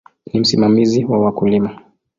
Ni msimamizi wa wakulima.